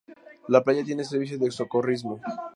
La playa tiene servicio de socorrismo.